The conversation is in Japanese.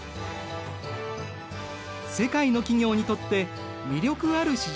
世界の企業にとって魅力ある市場となった。